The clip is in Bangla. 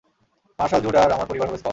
মার্শাল জুড আর আমার পরিবার হলো স্কট।